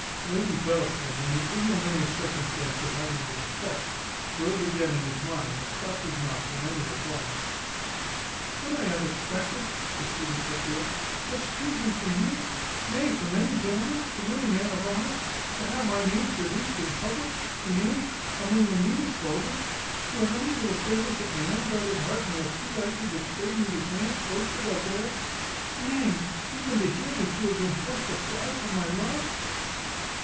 Lady Bellaston, and the ignominious circumstance of having been kept, rose again in his mind, and stopt his mouth from any reply. "Could I have expected," proceeded Sophia, "such treatment from you? Nay, from any gentleman, from any man of honour? To have my name traduced in public; in inns, among the meanest vulgar! to have any little favours that my unguarded heart may have too lightly betrayed me to grant, boasted of there! nay, even to hear that you had been forced to fly from my love!"